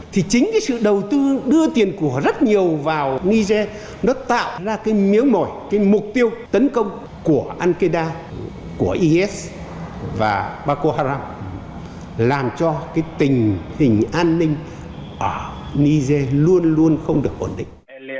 thì chính cái sự đầu tư đưa tiền của rất nhiều vào niger nó tạo ra cái miếng mồi cái mục tiêu tấn công của al qaeda của is và bakohara làm cho cái tình hình an ninh ở niger luôn luôn không được ổn định